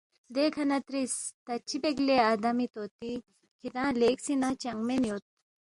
دیکھہ نہ زیرس، ”تا چِہ بیک لے آدمی طوطی کِھدانگ لیگسی نہ چنگمین یود